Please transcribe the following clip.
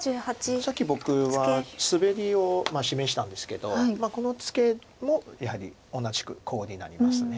さっき僕はスベリを示したんですけどこのツケもやはり同じくコウになります。